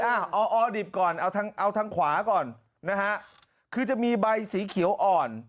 เอาออดิบก่อนเอาทางขวาก่อนจะมีใบสีเขียวอ่อน